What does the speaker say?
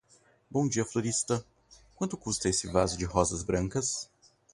Bom dia florista. Quanto custa esse vaso de rosas brancas?